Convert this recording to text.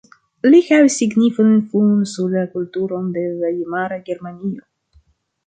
Li havis signifan influon sur la kulturon de Vajmara Germanio.